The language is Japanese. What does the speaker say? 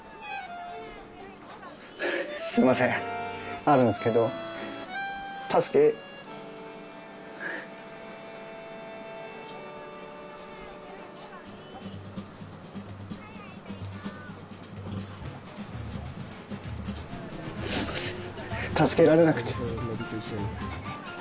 すいませんあるんすけど助けすいません